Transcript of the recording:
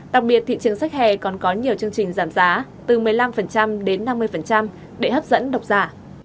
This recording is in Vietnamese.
đặc biệt thị trường sách hè còn có nhiều chương trình giảm giá từ một mươi năm đến năm mươi để hấp dẫn độc giả